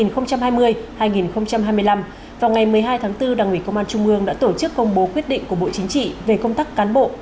nhiệm kỳ hai nghìn hai mươi hai nghìn hai mươi năm vào ngày một mươi hai tháng bốn đảng ủy công an trung ương đã tổ chức công bố quyết định của bộ chính trị về công tác cán bộ